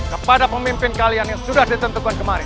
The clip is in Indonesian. kepada pemimpin kalian yang sudah ditentukan kemarin